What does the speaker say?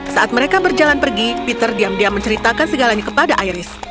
saat mereka berjalan pergi peter diam diam menceritakan segalanya kepada iris